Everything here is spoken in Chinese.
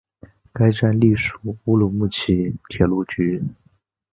该站隶属乌鲁木齐铁路局。